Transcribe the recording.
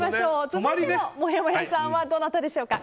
続いてのもやもやさんはどなたでしょうか。